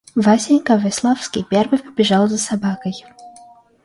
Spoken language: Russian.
Васенька Весловский первый побежал за собакой.